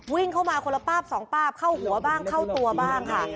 วิ่งเข้ามาคนละป้าบสองป้าบเข้าหัวบ้างเข้าตัวบ้างค่ะ